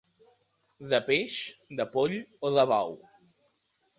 De peix, de poll o de bou.